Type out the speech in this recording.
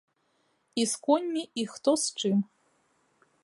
І з коньмі, і хто з чым.